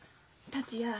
達也